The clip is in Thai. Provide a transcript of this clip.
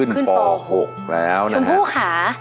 ขึ้นป๖แล้วนะครับขึ้น๑ป๖ค่ะ